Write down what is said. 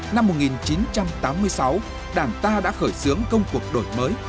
năm một nghìn chín trăm tám mươi sáu đảng ta đã khởi xướng công cuộc đổi mới